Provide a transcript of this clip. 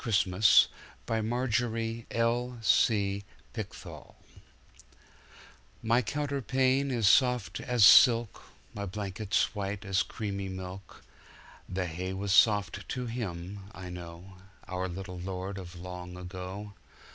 54Vocal Recording: MP3 / OGGMy counterpane is soft as silk, My blankets white as creamy milk. The hay was soft to Him, I know, Our little Lord of long ago.